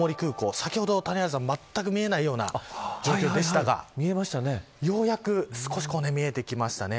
先ほどまったく見えないような状況でしたがようやく少し見えてきましたね。